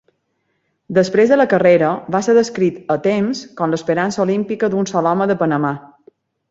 Després de la carrera, va ser descrit a "Temps" com l'esperança olímpica d'un sol home de Panamà.